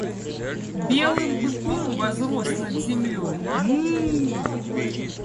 Белым быком возрос над землей: Муууу!